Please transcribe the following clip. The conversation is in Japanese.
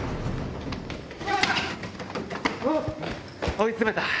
追い詰めた。